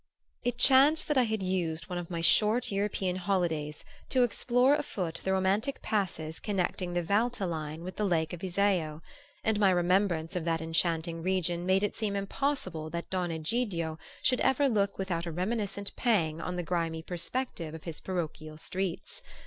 It chanced that I had used one of my short European holidays to explore afoot the romantic passes connecting the Valtelline with the lake of Iseo; and my remembrance of that enchanting region made it seem impossible that Don Egidio should ever look without a reminiscent pang on the grimy perspective of his parochial streets.